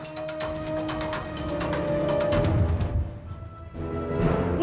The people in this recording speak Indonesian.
saya mau cari anak